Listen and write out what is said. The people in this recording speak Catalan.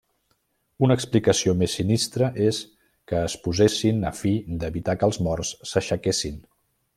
Una explicació més sinistra és que es posessin a fi d'evitar que els morts s'aixequessin.